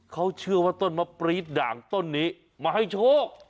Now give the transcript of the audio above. เขาเชื่อว่าต้นมะปรี๊ดด่างต้นนี้มาให้โชค